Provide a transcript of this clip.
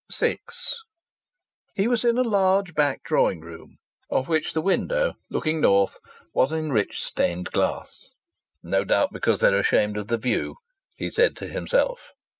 VI He was in a large back drawing room, of which the window, looking north, was in rich stained glass. "No doubt because they're ashamed of the view," he said to himself.